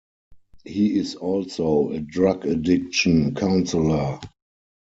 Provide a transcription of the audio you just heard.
He is also a drug addiction counselor.